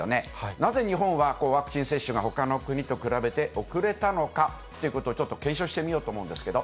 なぜ日本はワクチン接種がほかの国と比べて遅れたのかっていうことを、ちょっと検証してみようと思うんですけど。